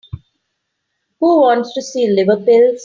Who wants to see liver pills?